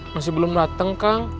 masih belum datang kang